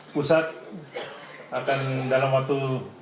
pusat akan dalam waktu